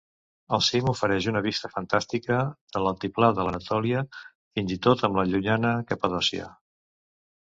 El cim ofereix una vista fantàstica de l'altiplà de l'Anatòlia, fins i tot amb la llunyana Capadòcia.